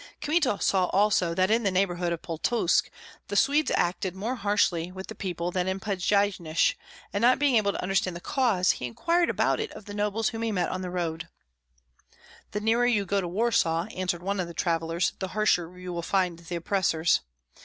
Kmita saw also that in the neighborhood of Pultusk the Swedes acted more harshly with the people than in Pjasnysh; and not being able to understand the cause, he inquired about it of the nobles whom he met on the road. "The nearer you go to Warsaw," answered one of the travellers, "the harsher you will find the oppressors.